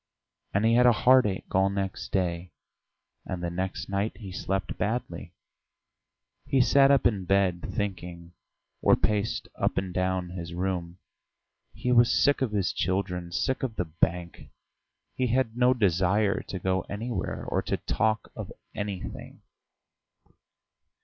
And he had a headache all next day. And the next night he slept badly; he sat up in bed, thinking, or paced up and down his room. He was sick of his children, sick of the bank; he had no desire to go anywhere or to talk of anything.